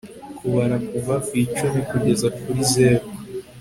kubara kuva icumi kugeza kuri zeru